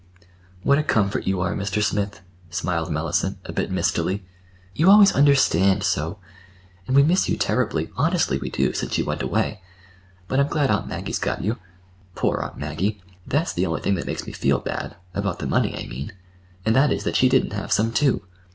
"What a comfort you are, Mr. Smith," smiled Mellicent, a bit mistily. "You always understand so! And we miss you terribly—honestly we do!—since you went away. But I'm glad Aunt Maggie's got you. Poor Aunt Maggie! That's the only thing that makes me feel bad,—about the money, I mean,—and that is that she didn't have some, too.